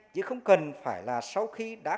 chứ không cần phải là sau khi đã